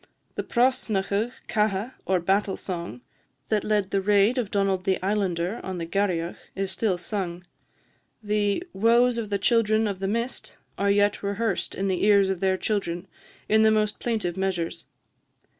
The 'Prosnachadh Catha,' or battle song, that led on the raid of Donald the Islander on the Garioch, is still sung; the 'Woes of the Children of the Mist' are yet rehearsed in the ears of their children in the most plaintive measures.